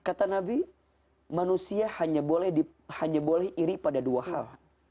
kata nabi manusia hanya boleh iri pada dua hal